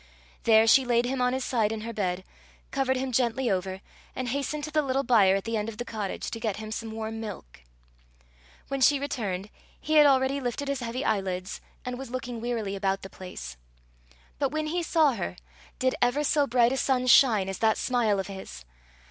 There she laid him on his side in her bed, covered him gently over, and hastened to the little byre at the end of the cottage, to get him some warm milk. When she returned, he had already lifted his heavy eyelids, and was looking wearily about the place. But when he saw her did ever so bright a sun shine as that smile of his?